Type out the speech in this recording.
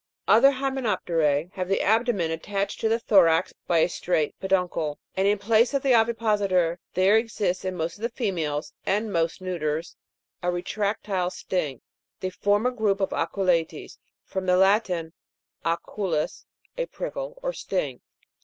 5. Other hymenop'terse have the abdomen attached to the thorax by a straight peduncle, and in place of the ovipositor there exists in most of the females and most neuters, a retractile sting. They form a group of ACU'LEATES (from the Latin, aculeus, a prickle or sting).